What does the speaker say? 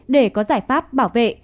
để có giải pháp bảo vệ